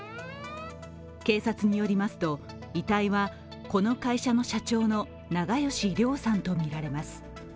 警察によりますと、遺体はこの会社の社長の長葭良さんとみられます。